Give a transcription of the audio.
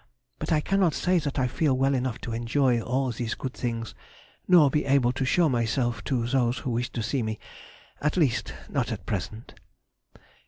But I cannot say that I feel well enough to enjoy all these good things nor be able to show myself to those who wish to see me, at least not at present.